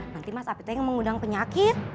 nanti mas afif yang mengundang penyakit